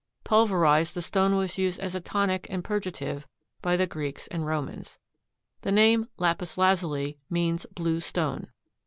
Pulverized the stone was used as a tonic and purgative by the Greeks and Romans. The name lapis lazuli means blue stone.